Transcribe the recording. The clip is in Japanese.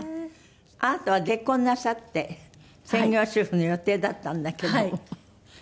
あなたは結婚なさって専業主婦の予定だったんだけども。